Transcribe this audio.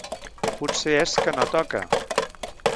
Potser és que ‘no toca’.